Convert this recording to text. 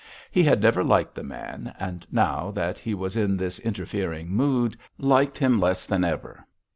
He had never liked the man, and, now that he was in this interfering mood, liked him less than ever.